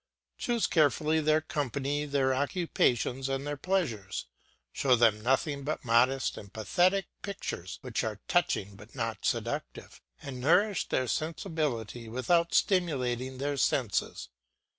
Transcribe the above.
Choose carefully their company, their occupations, and their pleasures; show them nothing but modest and pathetic pictures which are touching but not seductive, and nourish their sensibility without stimulating their senses.